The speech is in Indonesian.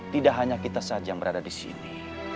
tidak hanya kita saja yang berada disini